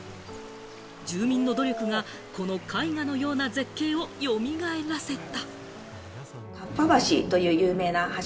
住民の努力がこの絵画のような絶景をよみがえらせた。